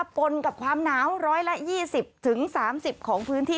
ปนกับความหนาว๑๒๐๓๐ของพื้นที่